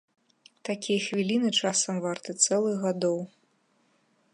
Такія хвіліны часам варты цэлых гадоў.